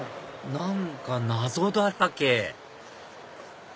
何か謎だらけ！